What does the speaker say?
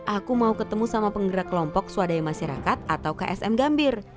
aku mau ketemu sama penggerak kelompok swadaya masyarakat atau ksm gambir